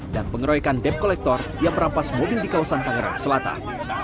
dan pengeroyokan dep kolektor yang merampas mobil di kawasan tangerang selatan